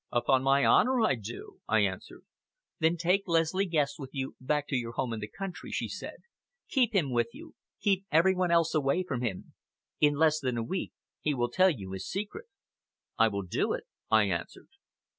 "Upon my honor I do!" I answered. "Then take Leslie Guest with you back to your home in the country," she said. "Keep him with you, keep every one else away from him. In less than a week he will tell you his secret!" "I will do it," I answered.